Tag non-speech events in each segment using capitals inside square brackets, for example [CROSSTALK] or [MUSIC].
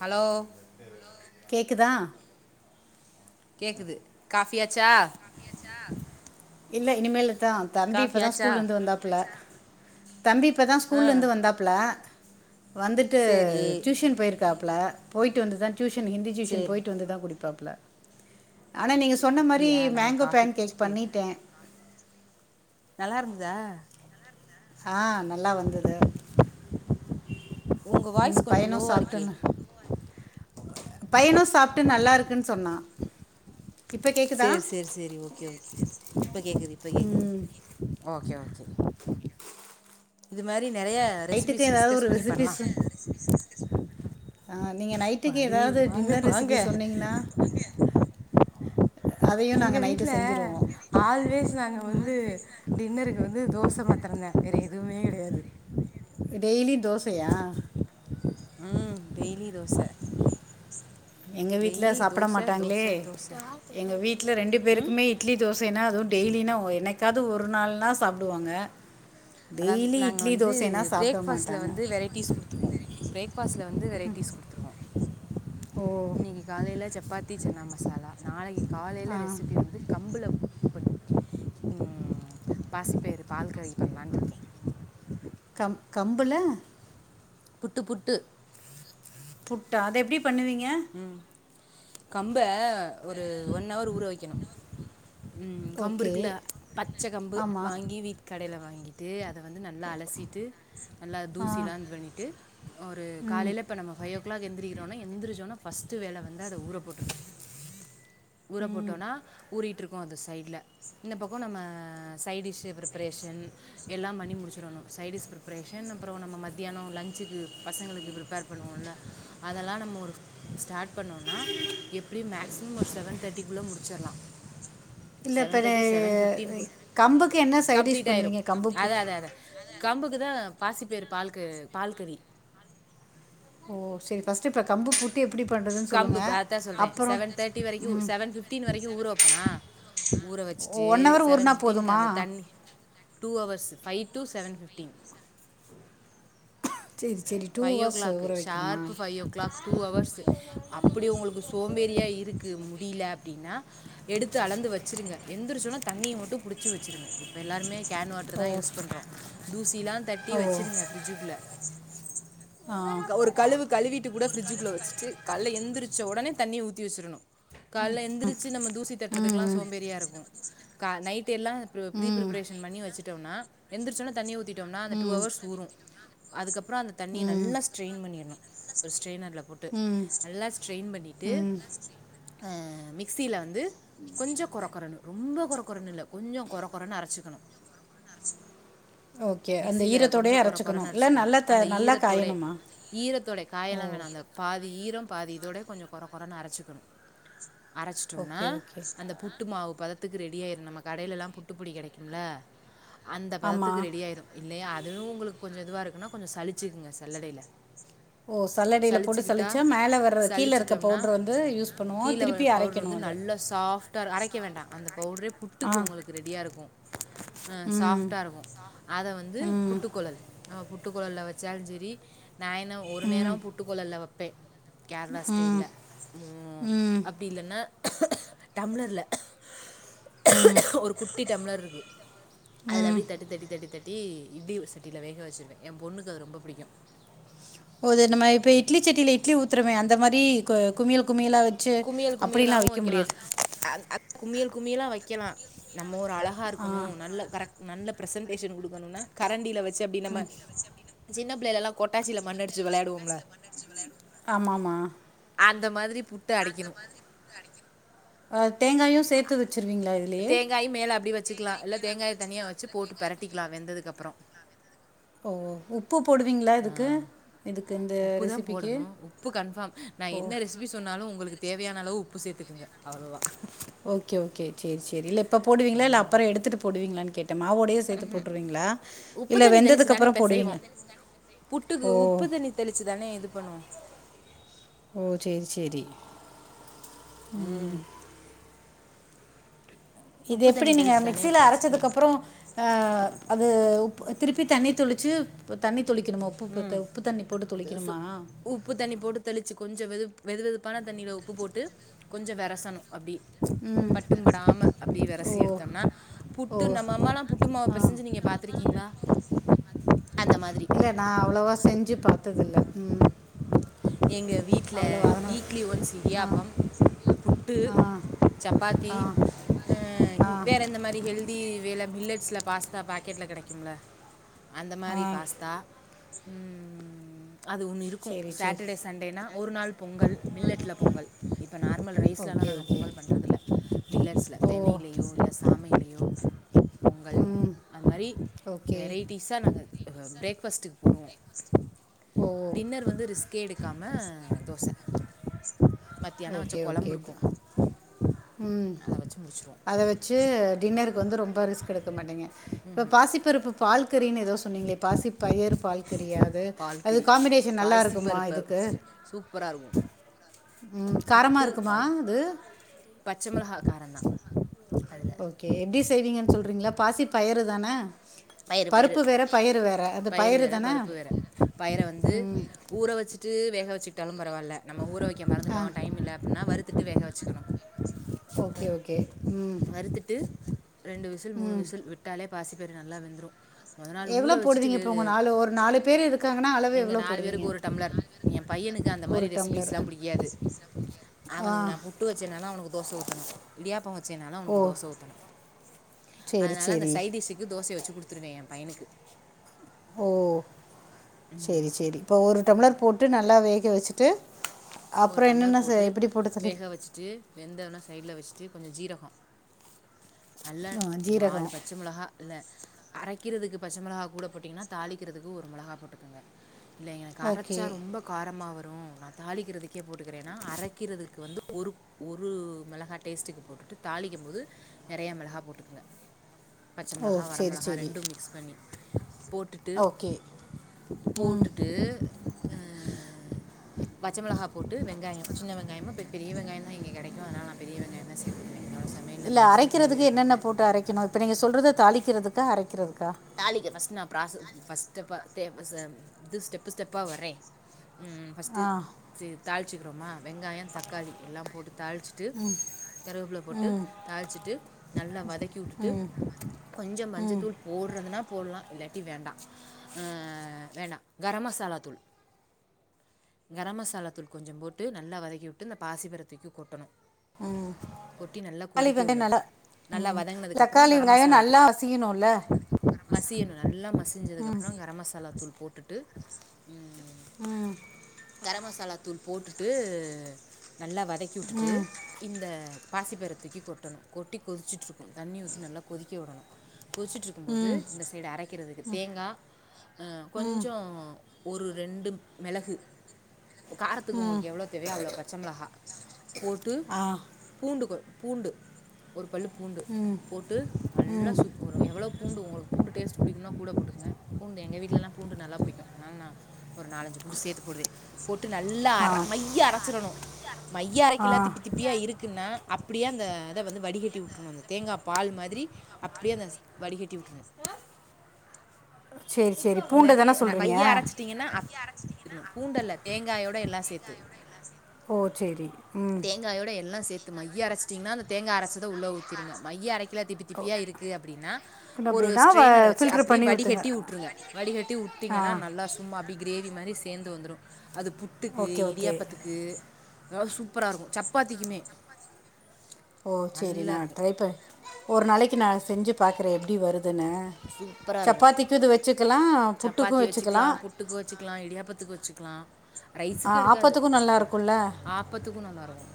Hello கேக்குதா கேக்குது காபியாச்சா காபியாச்சா இல்ல இனிமேலு தா தம்பி காஃபி இப்பதான் ஆச்சா ஸ்கூல்ல இந்து வந்தாப்புல தம்பி இப்பதான் ஆ ஸ்கூல்ல இந்து வந்தாப்புல வந்துட்டு சரி டியூஷன் போயிருக்காப்புல போயிட்டு வந்துதான் டியூஷன் ஹிந்தி டியூஷன் சரி போய்ட்டு வந்து தான் குடி பாப்ல ஆனா நீங்க சொன்ன மாரி அப்படியா மேங் நாங்கள் ங்கோ காஃபி பேன் கேக் குடிச்சிக்கிட்டே இருக்கோம் பண்ணிட்டே நல்லா இருந்ததா ஆ நல்லா வந்தது உங்கள் உம் வாய்ஸ் கொஞ்சம் பையனும் லோவாக இருக்கே சாப்டேனு பையனும் சாப்ட்டு நல்லா இருக்குன்னு சொன்னா சேரி சேரி சேரி ஓகே ஓகே இப்ப கேக்குது இப்ப கேக்குது ம் ஓகே ஓகே. இது மாரி நைட்டுக்கு ஏதாவது ஒரு ரெசிபி சொ ஆ நீங்க நைட்டுக்கு வாடி எதாது வாங்க டின்னர் வாங்க ரெசிபி சொன்னீங்கன்னா அதையும் எங்க நாங்கள் நைட்டு வீட்ல செஞ்சுருவோம் ஆல்வேஸ் நாங்க வந்து டின்னருக்கு வந்து தோ ச மாத்தரந்தே வேற எதுவுமே கெடையாது. டெய்லி தோசையா? ம் டெய்லி தோச. எங்க வீட்ல சாப்பட மாட்டாங்களே. தோசை தோசை எங்க வீட்ல ரெண்டு பேருக்குமே இட்லி தோசைனா அதுவு டெய்லினா என்னைக்காது ஒ ரு நாள்னா சாப்டுவாங்க. அதனால் நாங்க வந்து பிரேக்ஃபாஸ்ட்ல மாட்டாங்க வந்து வெரைட்டிஸ் குடுத்துருவோ. பிரேக்ஃபாஸ்ட்ல வந்து வெரைட்டிஸ் குடுத்துருவோ. ஓ இன்னக்கி காலைல சப்பாத் தி சன்னா மசாலா நாளைக்கி காலைல ஆ ரெசிபி வந்து கம்புல ம் பாசிப்பயிறு பால் கறி பண்லானு இருக்கே. கம் கம்புல புட்டு புட்டு புட்டா அது எப்டி ம் கம்ப ஒரு ஒன் அவர் ஊற வைக்கணு. ம் கம்பு ஓகே இருக்குல பச்ச கம்பு ஆமாம் வாங்கி வீட் கடையில வாங்கி ட்டு அ த வந்து நல்லா அலசிட்டு நல்லா ஆ தூசிலா இது பண்ணிட்டு ஒரு ம் காலைல இப்ப நம்ம ஃபைவ் ஓ கிளாக் எந்திரிக்கிறோன்னா எந்திரிச்ச ஒட்னே ஃபர்ஸ் ட்டு வேல வந்து அத ஊற போட்றனு. ஊற ம் போட்டோனா ஊறிட்டு இரு க்கும் அது சைட்ல இந்த பக்கோ நம்ம சைட் டிஷ்ஷு ப்ரிப்ரேஷன் எல்லா பண்ணி முடிச்சுறனு. சைட் டிஷ் ப்ரிப்ரேஷன் அப்புறோ நம்ம மத்தியானோ லஞ்சுக்கு பசங்களுக்கு ப்ரிப்பேர் பண்ணுவோம்ல அதெல்லா நம்ம ஒரு ஸ்டார்ட் பண்ணோன்னா எப்படியு மேக்சிமம் ஒரு செவன் தேர்ட்டிக்குள்ள முடிச்சிரலா. இல்ல இப்ப இது அ கம்புக்கு என்ன சைட் டிஷ் பண்ணுவீங்க கம்பு பு கம்பு க்குதா பாசிப்பயிறு பால்கு பால் கறி ஓ செரி ஃபர்ஸ்ட்டு இப்ப கம்பு புட்டு எ கம்பு இப்ப அதத்தே சொல்றே செவன் தேர்ட்டி வரைக்கு ம் செவன் ஃபிஃப்டீன் வரைக்கு ஊற வைப்பனா ஊற வச்சுட்டு ஒன் ஹவர் செவன் ஊறினா ஃபிப்டீனுக்கு போதுமா அந்த தண்ணி two hours five two seven fifteen சரி சரி two five o hours clock ஊற வைக்கணுமா sharp five o'clock two hours அப்பிடி உங்களுக்கு சோம்பேறியா இரு க்கு முடியல அப்டின்னா எடுத்து அளந்து வச்சிருங்க. எந்திரிச்ச உடனே தண்ணிய மட்டு புடிச்சு வச்சிருங்க. இப்ப எல்லாருமே கேன் வாட்டரு ஓ தா யூஸ் பண்றோ தூசிலா தட்டி ஓ வச்சுருங்க ப்ரிட்ஜுக்குள்ள ஆ ஒரு கழுவு கழுவிட்டு கூட ஃப்ரிட்ஜுகுள்ள வச்ட்டு கால்ல எந்திரிச்ச உடனே தண்ணி ஊத்தி வெச்ரனு கால்ல எந்திரிச்சி நம்ம தூசி தட்டுறதுக்குலா ம் சோம்பேறியா இருக்கு கா நைட் ட்டு எல்லா ப்ரோ ப்ரீ ம் பிரிப்ரேஷன் பண்ணி வச்சுட்டோனா எந்திரிசோனே தண்ணி ஊத்தி டோம்னா அந்த டூ ம் அவர்ஸ் ஊரு அதுக்கப்ரோ அந்த தண்ணிய ம் நல்லா ஸ்ட்ரெயின் பன்னிர்னு ஒரு ஸ்ட்ரெயினர்ல போட்டு ம் நல்லா ஸ்ட்ரெயின் பண்ணிட்டு ம் ஆ மிக்சில வந்து கொஞ்சோ கொரக்கொறன்னு ரொம்ப கொரக்கொறன்னு இல்ல கொஞ்சோ கொரக்கொறன்னு அரச்சுக்கணு ஓகே அந்த ஈரத்தோடயே அரச்சுக்கணு இல்ல குனு அந்த ஈரத்தோடே ஈரத்தோடே ஓ காயலா வேனா அந்த பாதி ஈரம் பாதி இதோட கொஞ்சோ கொர கொறன் அரச்சிக்கணு அரச்டோம்னா ஓகே ஓகே அந்த புட்டு மாவு பதத் புட்டுக்கு ரெடி ஆயிரு நம்ம கடையிலலா புட்டுப்பொடி கெடைக்கும்ல அந்த ஆமாம் பதத்துக்கு ரெடி ஆயிரும் இல்லயா அதுவும் உங்ளுக்கு கொஞ்சோ இதுவா இருக் கொஞ்சோ சளிச்சுக்குங்க சல்லடையில ஓ சல்லடையில் போட்டு சளிச்சுகிட்டா சலிச்சா மேலே வர்ற கீழே இருக்க சளிச்சிட்டோம்னா பவுட்ரு வந்து யூஸ் பண்ணுவோம் கீல வர திருப்பி பவுடர் அரைக்கணும் வந்து அதை நல்ல சாஃப்டா அரைக்க வேண்டா அந்த பவுட்ரே ஆ புட்டுக்கு உங்ளுக்கு ரெடியா இருக்கு அ ம் சாஃப்டா இருக்கு அத வந்து ம் புட்டுகொழல் அ புட் தட்டுக்கொழல்ல வைச்சாலு செரி நா என்ன ஒரு நேரோ ம் புட்டுக்கொழல்ல வெப் ப்பே கேர்ளா ம் ஸ்டைல்ல ம் அப்டி இல்லன்னா டம்ளர்ல ம் ஒரு குட்டி டம்ளர் இருக்கு அதுல ம் அப்டி தட்டி தட்டி தட்டி தட்டி ட்டி இடிவு சட்டில வேக வச்சிருவே என் பொண்ணுக்கு அது ரொம்ப பிடிக்கு போது நம்ம இப்ப இட்லி செட்டில இட்லி ஊத்றமே அந்த மாரி கோ குமியல் குமில்லா வச்சு குமியல் அப்டிலா குமியலாவு அவிக்க வைக்கலாம் முடியாது அந் அ குமியல் குமியலா வைக்கலா நம் மோர் அழகா ஆ இருக்கணு நல்ல கரெக்ட் நல்ல ப்ரசன்டேஷன் குடுக்கணுனா கரண்டில வச் சுஅப்டின் நம்ம சின்னப் புள்ளைலெல்லா கொட்டாசில மன்னடிச்சு வெளையாடுவோம்ல ஆமாமா அந்த மாதிரிப் அந்த மாதிரி புட்டு அடைக்கணு ஆ தேங்காயு சேத்து வெச் தேங்காய் மேல அப்டி வெச்சுக்கலா இல்ல தேங்காய தனியா வெச்சுப் போட்டு பெரட்டிக்கலா வெந்ததுக்கப்புறோ ஓ உப் ஆ இந்த உப்புதா ரெசிபிக்கு போடணு உப்பு கன்பார்ம் நா ஓ என்ன ரெசிபி சொன்னாலு உங்குளுக்கு தேவையான அளவு உப்பு சேர்த்துக்குங்க அவ்ளோவா ஓகே ஓகே சேரி சேரி இல்லப் இப்ப போடுவீங்களா இல்ல அப்பற எடுத்துட்டு போடுவீங்களா நீங் ட்ட மாவோடயே சேர்த்து போட்டுருவீங்களா உப்பு இல்ல தண்ணி தெளிச்சு வெந்ததுக்கு தானே அப்பறம் பெசைவோ போடுவீங்களா புட்டுக்கு ஓ உப்பு தண்ணி தெளிச்சு தானே இது பண்ணுவோ ஓ சேரி சேரி ம் இது உப்பு எப்டி தண்ணி நீங்க தெளித்து தானே மிக்சில பிசைவோம் அரச்சதுக்கப்புறோ அ அது உப் திருப்பி தண்ணி தொளுச்சு தண்ணி தொளிக்கணுமா உப்பு ம் உப்பு தண்ணி போட்டு தொளிக்கணுமா கொஞ்ச வெது வெது வெதுப்பான தண்ணியில உப்பு போட்டு கொஞ்ச வெரசணு அப்டி ம் பட்டும்படாம அப்டியே ஓ வெரசி எடுத்தோம்னா ஓ புட்டு நம்ம அம்மாலா புட்டுமாவ ஆ பெசைஞ்சு நீங்க பாத்து இருக் கீங்ளா அந்த மாதிரி நா அவ்வளோவா செஞ்சு பாத்ததில்ல ம்ம் எங்க வீட்ல வீக்லி ஒன்ஸ் ஆ இடியாப்பம் புட்டு ஆ சப்பாத்தி ஆ அ ஆ வேறு எந்த மாரி ஹெல்தி வேல மில்லெட்ஸ்ல பாஸ்தா பேக்கெட்ல கெடைக்கும்ல அந்த மாரி ஆ பாஸ்தா ம், அது ஒன்னு இருக்கு சரி சரி சேட்டர்டே சண்டேனா ஒரு நாள் பொங்கல் மில்லெட்ல பொங்கல் இப்போ நார்மல் ரைஸ்ல்லா ஓகே நாங்க ஓகே பொங்கல் பண்றதில்ல மில்லெட்ஸ்ல ஓ தென்னையிலையோ இல்ல சாமையிலையோ பொங்கல் ம் அந் மாரி ஓகே வெரைட்டிஸா நாங்க பிரேக்பாஸ்ட்டுக்கு போடுவோ ஓ டின்னர் வந்து ரிஸ்க் எடுக்காம தோச ஓகே ஓகே இருக்கும் ம் அதை வச்சு முடிச்சிருவோம் அத வச்சு டின்னருக்கு வந்து ரொம் ப ரி்ஸ்க் எடுக்க மாட்டேங்க ம் இப்ப பாசிப்பருப்பு பால்கறின்னு ஏதோ சொன்னீங்ளே பாசிப் பயிர் பால் கறியாது அது பால்கறி காம்பினேஷன் நல்லா இருக்குமா பாசிப்பருப்பை இதுக்கு சூப்பராக இருக்கும் ம் காரமா புட்டு இருக்குமா பால் அது பச்சை மிளகா காரம்தான் அதில் ஓகே எப்டிஸ் சேவிங்கன் சொல்ரீங்களே பாசி பயரு தானே பயறு-பயிறு பருப்பு வேற பயிறு வேற அது பயிறு வேற தானே பருப்பு வேற பயிற வந்து ம் ஊற வச்சுட்டு வேக வச்சு பரவாயில்ல நம்ம ஊற வைக்க ஆ மறந்துட்டோ டைம் இல்ல அப்டின்னா வறுத்துட்டு வேக வச்சுக்கணு ஓகே ஓகே ம் வருத்துட்டு ரெண்டு விசில் மூணு ம் விசில் விட்டாலே பாசி பயிறு நல்லா வெந் ந்த்ரு முதல் நாள் ஊற எவ்வளோ வச்சுட்டு போடுவீங்க இப்போ வேகு உங்கள் நாலு ஒரு நாலு பேர் இருக்காங்கன்னா அளவு எங்க எவ்வளோ நாலு பேருக்கு போடுவீங்க ஒரு டம்ளர் என் பையனுக்கு அந்த ஒரு மாரி டம்ளர் ரெசிபீஸ்லாம் பிடிக்காது ஆ அவனுக்கு நா புட்டு வச்சேனாலும் அவனுக்கு தோச ணும் இடியாப்பொ சின்னால ஓ அவனுக்கு தோச ஊத்தணு சரி அதனால அந்த சரி சைடிஸ்க்கு தோசய வச்சு த்துருவேன் எ பையனுக்கு ஓ சேரி சேரி இப்ப ஒரு டம்ளர் போட் ட்டு நல்லா வேக வச்சுட்டு ஒரு அப்புறம் டம்ளர் என்னென்ன செ- போட்டு எப்படி தள்ளி வேக வச்சுட்டு வெந்தொன சைட்ல வச்சுட்டு கொஞ்ச ஜீரக நல்ல ஆ நாலு ஜீரகம் பச்ச மொளகா இல்ல அரக்கிறதுக்கு பச்ச மிளகா கூட போட்டீங்கன்னா தாளிக்கிறதுக்கு ஒரு மிளகா போட்டுக்கங்க இல்ல எனக்கு ஓகே அரச்சா ரொம்ப காரமா வரு ம் நான் தாளிக்கிறதுக் க்கே போட்டுக்கிறேன்னா அரைக்கிறதுக்கு வந்து ஒரு ஒரு மிளகா டேஸ்ட்டுக்கு போட்டுட்டு தாளிக்கும் போது நிறையா மிளகாய் போட்டுக்குங்க பச்ச ஓ மிளகா சரி வரமிளகா சரி ரெண்டும் மிக்ஸ் பண்ணி போட்டுட்டு ஓகே போட்டுட்டு பச்சமிளகா போட் வெங்காயம் சின்ன வெங்காயமும் பெரிய வெங்காயம் இங்க கெடைக்கு அதனால நா பெரியவெங்காயந்த சேத்துக்குவே இல்ல அரக்கிறதுக்கு என்னென்ன போட்டு அரக்கணு இப்ப நீங்க சொல்றது தாளிக்கிறதுக்கா அரக்கறததுக் தாலிக்க ஃபஸ்ட் நா ப்ராசஸ் ஃபஸ்ட்டுப்ப தேப்பச து ஸ்டெப்பு ஸ்டெப்பா வரே ம் ஃபஸ்டு ஆ து தாள்ச்சிக்றோமா வெங்காய தக்காளி எல்லா போட்டு தாள்ச்ட்டு கருவப்ல போட்டு தாள்ச்சிட்டு நல்லா வதக்கி வுட்டுட்டு கொஞ்சோ மஞ்சத்தூள்ப் போட்றதுனா போட்லா இல் இல்லாட்டி வேண்டா அ வேண்டா கர மசாலா தூள் கர மசாலாத்தூள் கொஞ்சோ போட்டு நல்லா வதக்கிவுட்டு இந்த பாசிப்பர தூக்கி கொட்டணு உம் விடணும் [UNINTELLIGIBLE] நல்லா உம் தக்காளி வெங்காயோ நல்லா மசியனுல மசியனு நல்லா மசிஞ்சதுக்கு அப்ரோ கர மசாலா தூள் போட்டுட்டு ம் கரம் மஸ் மசாலாதூள் போட்டுட்டு நல்லா வதக்கி வுட்டுட்டு இந்த பாசிப்பயர தூக்கி கொட்டணு கொட்டி கொதிச்சிட்டு்ருக்கு தண்ணி ஊத்தி நல்லா கொதிக்கவுடணு கொதிச்சிட்ருக்குபோது ம் இந்த சைடு அரைக்கிறதுக்கு தேங்கா அ ம் கொஞ்சோ ஒரு ரெண்டு மெளகு இப்ப காரத்துக்கு ம் உங்ளுக்கு எவ்ளோ தேவயோ அவ்ளோ ப பச்சமிளகா போட்டு ஆ பூண்டு கொ பூண்டு ஒர் பள்ளுபூண்டு ம் போட்டு நல்லா ம் சுத் எவ்ளோ பூண்டு உங்ளுக்கு பூண்டு டேஸ்ட் புடிக்குனா கூட போட்டுக்குங்க பூண்டு எங்க வீட்லல்லா பூண்டு நல்லா புடிக்கும் அனால் நா ஒரு நாலஞ்சு பூண்டு சேத்து போடுவே போட்டு நல்லா ஆ அற மையா அரச்சிரணு மையா அரைக்கல ஆ திப்பி திப்பியா இருக்குன்னா அப்டியே அந்த அத வந்து வடிகட் டி உற்றனு அந்த தேங்கா பால் மாதிரி அப் அப்டியே அந்த ஸ் வடி கட்டி உற்றனு செரி செரி பூண்டு தான சொல்றீங்க அரைச்சிட்டிங்கன்னா அப்படி இருக்கணும் பூண்டல்ல தேங்காயோடு எல்லா சேத்து ஓ சேரி ம் தேங்காயோட எல்லா சேத்து மையா அரச்ட்டீங்கன்னா அந்த தேங்கா அரச்சத உள்ள ஊத்திருங்க மைய அரைக் ல்ல திப்பி ஓ திப்பியா இருக் கு அப்டின்னா ஒரு அப்டின்னா வ ஸ்ட்ரெய்னர வச்சு ஃபில்ட்ரு அப்டி பண்ணி ஊத்துங்க வடிகட்டி உட்ருங்க வடிகட்டி ஆ உட்டீங்கன்னா நல்லா சும்மா அப் கிரேவி மாரி சேந்து வந்துரு அது புட்டுக்கு ஓகே ஓகே இடியாப்பத்துக்கு ஆ சூப்பரா இருக்கு சப்பாத்திக்குமே ஓ செரி நல்லா நா இருக்கும் ட்ரை ப ஒரு நாளைக்கு நா செஞ்சு பாக்கற எப்டி வருதுன்னு சூப்பராக இருக்கும் சப்பாத்திக்கு இது வச்சு சப்பாத்தி வச்சுக்கலா புட்டுக்கு வச்சுக்கலா இடியாப்பத்துக்கு வ ச்சுக்கலா ஆ ரைஸுக்கு எடுக்காது ஆப்பத்துக்கு நல்லா து இருக்குல்ல ஆப்பத்துக்கு நல்லாருக்கு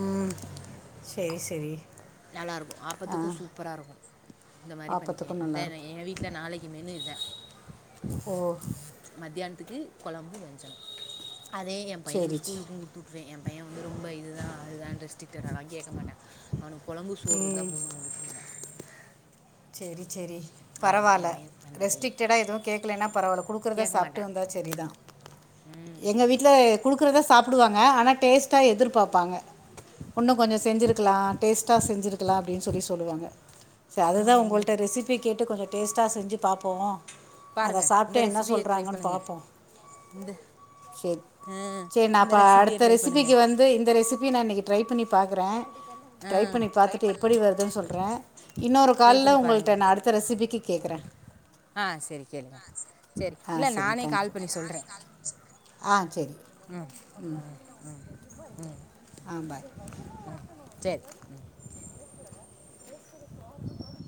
ம் ஷெரி ஷெரி நல்லாருக்கு ஆப்பத்துக்கு சூப்பரா இருக்கு இந்த மாரி பண்ணிக்குவே ஆப்பத்துக்கு நல்லா இந்தா இருக்கு எ வீட்ல நாளைக்கு மெனு இதா ஓ த்துக்கு கொளம்பு வஞ்சனு அதே எ பையனுக்கு சேரி சே ஸ்கூலுக்கு குடுத்துட்ருவே எ பைய வந்து ரொம்ப இதுதா அதுதா ரெஸ்ட்ரிக்டடாலா கேக்க மாட்டா அவனுக் கொளம்பு சோறு இருந்தா போது கொண்டுட்டு போய்ருவா சேரி சேரி ஆமாம் பரவால என் பையன் நல்ல பையன் ரெஸ்ட்ரிக்டடா எதுவு கேக்கலனா பரவால குடுக்குறத கேட்க சாப்ட்டு மாட்டான் வந்தா செரிதா எங்க வீட்ல எத் குடுக்குறத சாப்டுவாங்க ஆனா டேஸ்ட்டா எதிர்பாப்பாங்க உன்னு கொஞ்சொ செஞ்சுருக்கலா டேஸ்ட்டா செஞ்சுருக்கலா அப்டின்னு சொல்லி சொல்லுவாங்க ச அதுதா உங் நான் இங்கே உங்கள்ட்ட ரெசுபி கேட்டு கொஞ்சொ டேஸ்டா செஞ்சு பாப்போ அத பாருங்கள் சாப்ட்டு இந்த என்ன ரெசிபியை ட்ரை சொல்றாங்கன்னு பண்ணுங்கள் பாப்போ இந்த சேரி ஆ, சேரி நா இந்த அப்ப ரெசிபியை அடுத்த ட்ரை ரெசிபிக்கு பண்ணுங்கள் வந்து இந்த ரெசிபி நா இன்னைக்கு ட்ரை பண்ணிப் பாக்குறே ஆ ட்ரை பண்ணிப் பாத்துட்டு எப்படி வருதுன்னு சொல்றே இன்னொரு ட்ரை காள்ல பண்ணி உங் உங்கள்ட்ட பாருங்கள் நா அடுத்த ரெஸிபிக்கிக்கு கேக்கறே ஆ சரி கேளுங்க ஆ சரி ஆ இல்லை சேரி நானே தங்க் கால் யு பண்ணி ஆ சேரி ம் ம் ம் ம் ஆ பாய் சேர்